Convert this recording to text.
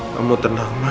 kamu tenang ma